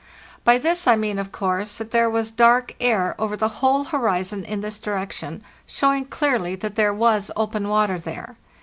By this | mean, of course, that there was dark air over the whole horizon in this direction, showing clearly that there was open water there.